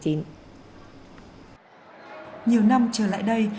nhiều năm trở lại đây